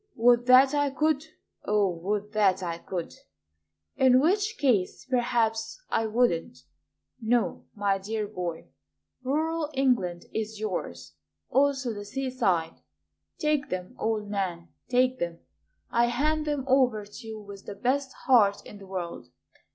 Would that I could. O would that I could! In which case, perhaps, I wouldn't. No, my dear boy, Rural England is yours, Also the sea side, Take them, old man, take them; I hand them over to you with the best heart in the world.